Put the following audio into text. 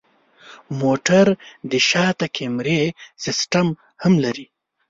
موټر د شاته کمرې سیستم هم لري.